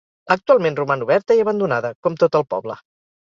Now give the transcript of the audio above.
Actualment roman oberta i abandonada, com tot el poble.